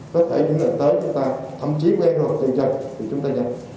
có thể những lần tới chúng ta thậm chí quen rồi tự dần thì chúng ta nhặt